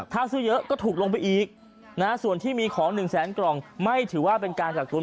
ถ้าซื้อเยอะก็ถูกลงไปอีกส่วนที่มีของ๑แสนกล่องไม่ถือว่าเป็นการกักตุ้น